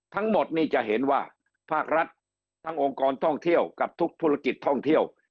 ทั้งหมดนี่จะเห็นว่าภาครัฐทั้งองค์กรท่องเที่ยวกับทุกธุรกิจท่องเที่ยว